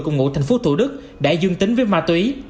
cùng ngụ thành phố thủ đức đã dương tính với ma túy